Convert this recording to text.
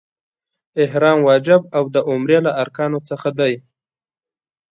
احرام واجب او د عمرې له ارکانو څخه دی.